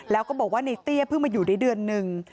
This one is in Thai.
แล้วก็บอกว่าในเตี้ยเพิ่งมาอยู่ได้เดือนหนึ่ง